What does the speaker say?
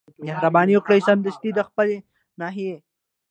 مهرباني وکړئ سمدستي د خپلي ناحيې